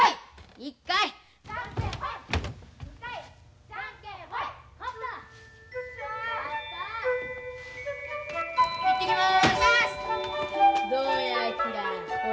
行ってきます！